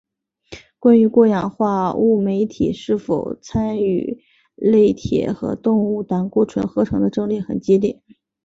关于过氧化物酶体是否参与类萜和动物胆固醇合成的争论很激烈。